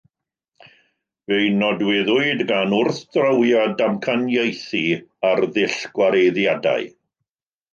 Fe'i nodweddwyd gan wrthdrawiad damcaniaethu ar ddull gwareiddiadau.